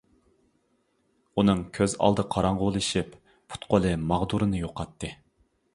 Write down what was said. ئۇنىڭ كۆز ئالدى قاراڭغۇلىشىپ، پۇت-قولى ماغدۇرىنى يوقاتتى.